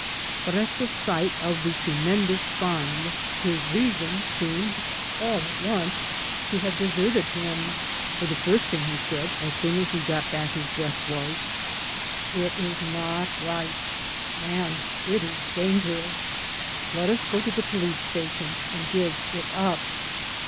But at the sight of the tremendous find his reason seemed all at once to have deserted him; for the first thing he said, as soon as he got back his breath, was, "It is not right, and it is dangerous. Let us go to the police station and give it up."